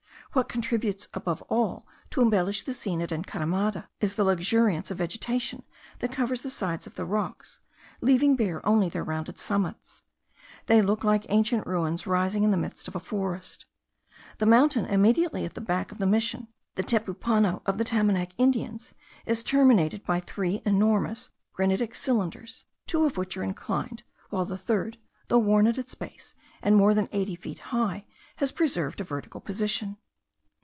What contributes above all to embellish the scene at Encaramada is the luxuriance of vegetation that covers the sides of the rocks, leaving bare only their rounded summits. They look like ancient ruins rising in the midst of a forest. The mountain immediately at the back of the Mission, the Tepupano* of the Tamanac Indians is terminated by three enormous granitic cylinders, two of which are inclined, while the third, though worn at its base, and more than eighty feet high, has preserved a vertical position.